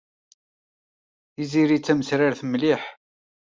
Tiziri d tamesrart mliḥ.